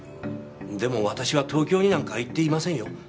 でも私は東京になんか行っていませんよ。